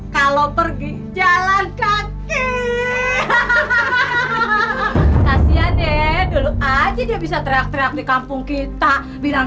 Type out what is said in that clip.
kalau pergi jalan kaki kasihan ya dulu aja dia bisa teriak teriak di kampung kita bilang